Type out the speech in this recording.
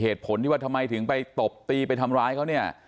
เหตุผลที่ว่าทำไมถึงไปตบตีไปทำร้ายเขาเนี่ย